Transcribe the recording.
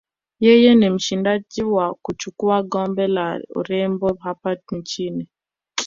Yeye ni mshindi wa kuchukua kombe la urembo hapa nchini